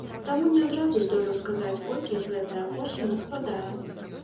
Таму не адразу здолеў сказаць, колькі гэтая пошліна складае.